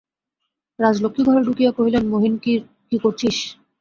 রাজলক্ষ্মী ঘরে ঢুকিয়া কহিলেন, মহিন, কী করছিস।